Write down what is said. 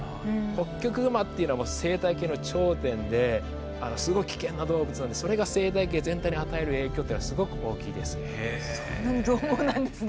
ホッキョクグマっていうのは生態系の頂点ですごい危険な動物なんでそれが生態系全体に与える影響ってのはすごく大きいですね。